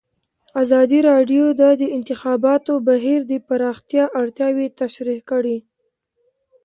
ازادي راډیو د د انتخاباتو بهیر د پراختیا اړتیاوې تشریح کړي.